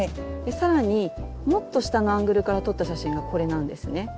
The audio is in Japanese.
更にもっと下のアングルから撮った写真がこれなんですね。